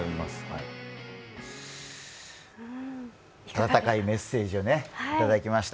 温かいメッセージをいただきました。